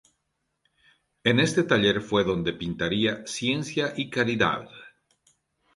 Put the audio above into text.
En este taller fue donde pintaría "Ciencia y caridad".